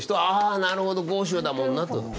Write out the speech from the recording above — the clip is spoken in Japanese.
「ああなるほど江州だもんな」と。